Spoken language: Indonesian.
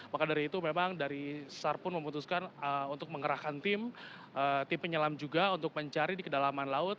maka dari itu memang dari sar pun memutuskan untuk mengerahkan tim tim penyelam juga untuk mencari di kedalaman laut